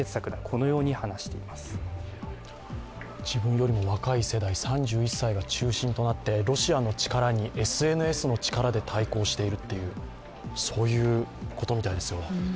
自分よりも若い世代、３１歳が中心となってロシアの力にＳＮＳの力で対抗しているっていう、そういうことですね。